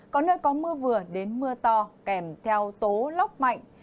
có nơi có mưa vừa đến mưa to kèm theo tố lốc mạnh